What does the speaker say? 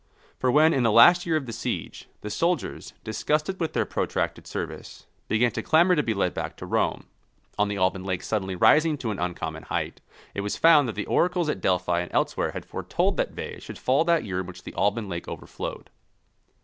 For when, in the last year of the siege, the soldiers, disgusted with their protracted service, began to clamour to be led back to Rome, on the Alban lake suddenly rising to an uncommon height, it was found that the oracles at Delphi and elsewhere had foretold that Veii should fall that year in which the Alban lake overflowed.